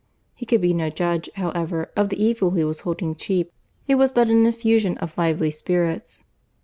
He could be no judge, however, of the evil he was holding cheap. It was but an effusion of lively spirits.